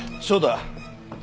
そうだ。